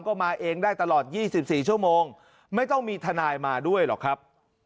ก็มาเองได้ตลอด๒๔ชั่วโมงไม่ต้องมีทนายมาด้วยหรอกครับ